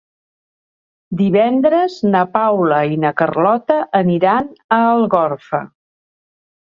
Divendres na Paula i na Carlota aniran a Algorfa.